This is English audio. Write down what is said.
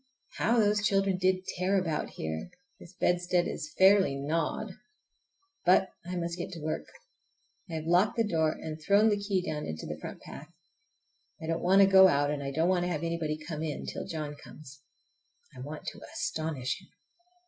How those children did tear about here! This bedstead is fairly gnawed! But I must get to work. I have locked the door and thrown the key down into the front path. I don't want to go out, and I don't want to have anybody come in, till John comes. I want to astonish him.